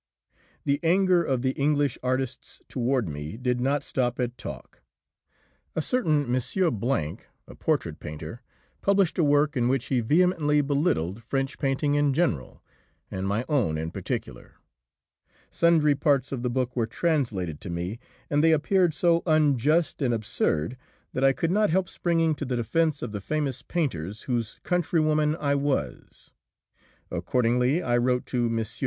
The anger of the English artists toward me did not stop at talk. A certain M. , a portrait painter, published a work in which he vehemently belittled French painting in general and my own in particular. Sundry parts of the book were translated to me, and they appeared so unjust and absurd that I could not help springing to the defense of the famous painters whose countrywoman I was. Accordingly, I wrote to this M.